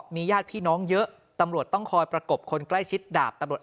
มีญาติพี่น้องเยอะตำรวจต้องคอยประกบคนใกล้ชิดดาบตำรวจ